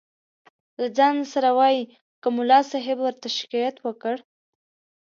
له ځانه سره وایي که ملا صاحب ورته شکایت وکړ.